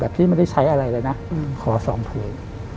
พี่ไม่ได้ใช้อะไรเลยนะขอ๒ถุง